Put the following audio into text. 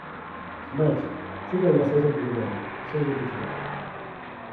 即ち世界が生産的であり、創造的である。